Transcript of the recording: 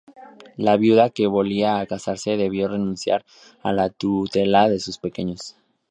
La viuda que volvía a casarse debía renunciar a la tutela de sus pequeños.